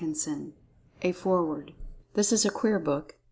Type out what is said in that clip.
[Pg 3] A FOREWORD This is a queer book.